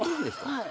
はい。